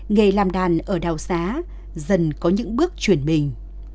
nghề làm đàn ở đào xá dần có những bước chuyển mình